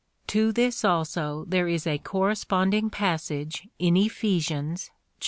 To this also there is a corresponding passage in Ephes. iv.